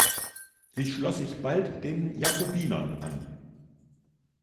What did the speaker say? Sie schloss sich bald den Jakobinern an.